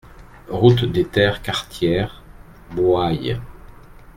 Route des Terres Quartières, Bouaye